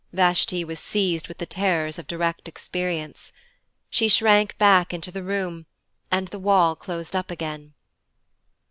Vashti was seized with the terrors of direct experience. She shrank back into the room, and the wall closed up again.